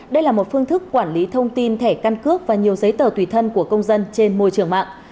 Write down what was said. đây là một phương thức quản lý thông tin thẻ căn cước và nhiều giấy tờ tùy thân của công dân trên môi trường mạng